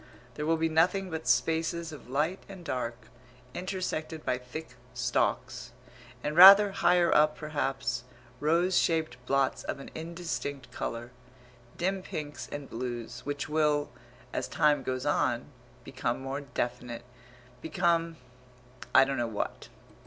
There will be nothing but spaces of light and dark, intersected by thick stalks, and rather higher up perhaps, rose shaped blots of an indistinct colour dim pinks and blues which will, as time goes on, become more definite, become I don't know what....